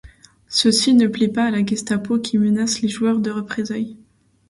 Ceci ne plaît pas à la Gestapo, qui menace les joueurs de représailles.